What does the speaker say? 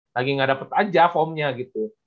lagi nggak dapet aja formnya gitu